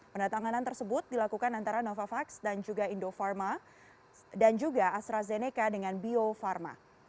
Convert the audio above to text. penatanganan tersebut dilakukan antara novavax dan juga indofarma dan juga astrazeneca dengan bio farma